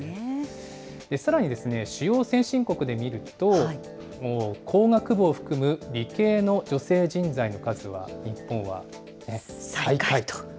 さらに主要先進国で見ると、もう工学部を含む理系の女性人材の数は日本は最下位。